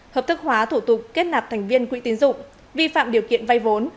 hợp thức hóa thủ tục kết nạp thành viên quỹ tín dụng vi phạm điều kiện vay vốn